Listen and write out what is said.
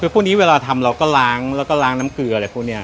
คือพวกนี้เวลาทำเราก็ล้างแล้วก็ล้างน้ำเกลืออะไรพวกนี้